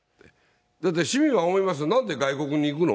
だって市民は思いますよ、なんで外国に行くの？